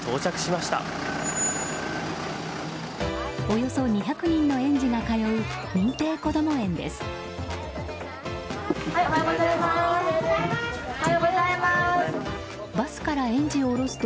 およそ２００人の園児が通う認定こども園です。